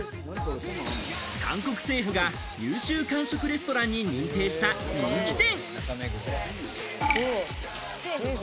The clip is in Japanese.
韓国政府が優秀韓食レストランに認定した人気店。